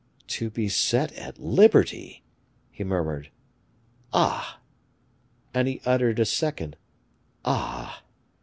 "To be set at liberty!" he murmured. "Ah!" and he uttered a second "ah!"